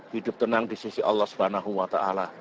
hidup tenang di sisi allah swt